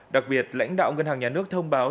đặc biệt lãnh đạo ngân hàng nhà nước thông báo